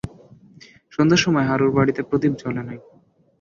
সন্ধ্যার সময় হারুর বাড়িতে প্রদীপ জ্বলে নাই।